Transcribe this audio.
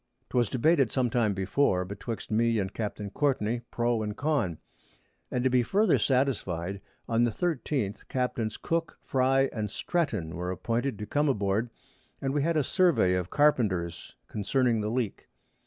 'Twas debated some time before betwixt me and Capt. Courtney pro and con; and to be farther satisfy'd, on the 13_th_ Capts. Cook, Fry and Stretton were appointed to come aboard, and we had a Survey of Carpenters concerning the Leak.